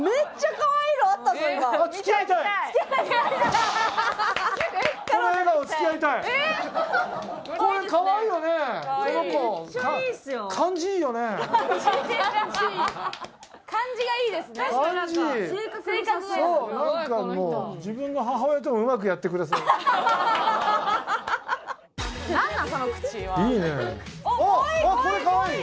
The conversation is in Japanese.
かわいいかわいい！